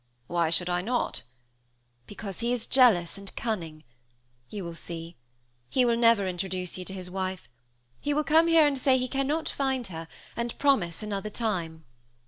"Why should I not?" "Because he is jealous and cunning. You will see. He will never introduce you to his wife. He will come here and say he cannot find her, and promise another time."